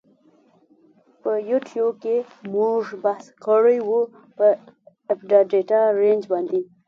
په یوټیو کی مونږ بحث کړی وه په آپډا ډیټا رنج باندی.